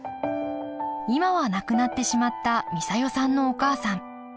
今は亡くなってしまった美佐代さんのお母さん。